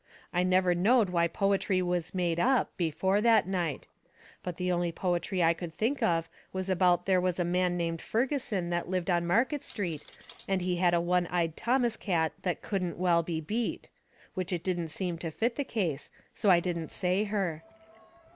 I never knowed why poetry was made up before that night. But the only poetry I could think of was about there was a man named Furgeson that lived on Market Street, and he had a one eyed Thomas cat that couldn't well be beat. Which it didn't seem to fit the case, so I didn't say her.